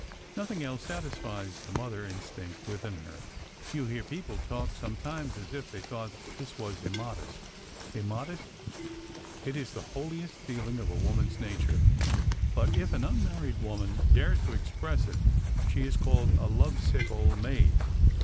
Nothing else satisfies the mother instinct within her. You hear people talk sometimes as if they thought this was immodest. Immodest 1 It is the holiest feeling of a woman's nature ! But if an unmarried wo man dares to express it she is called a love sick old maid